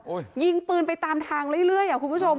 โอ้ยอย่างปืนไปตามทางเรื่อยใคร่คุณผู้ชม